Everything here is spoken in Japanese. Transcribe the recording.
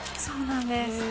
そうなんです。